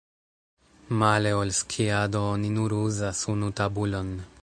Male ol skiado oni nur uzas unu tabulon.